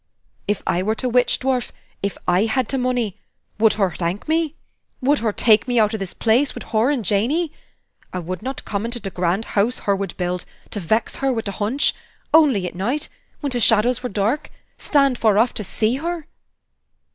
"If I were t' witch dwarf, if I had t' money, wud hur thank me? Wud hur take me out o' this place wid hur and Janey? I wud not come into the gran' house hur wud build, to vex hur wid t' hunch, only at night, when t' shadows were dark, stand far off to see hur."